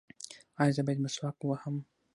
ایا زه باید مسواک ووهم؟